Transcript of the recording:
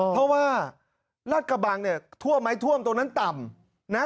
เพราะว่าราชกะบังทั่วไม้ท่วมตรงนั้นต่ำ